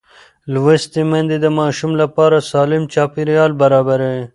لوستې میندې د ماشوم لپاره سالم چاپېریال برابروي.